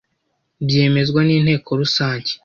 byemezwa n Inteko Rusange